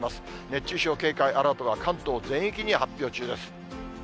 熱中症警戒アラートは関東全域に発表中です。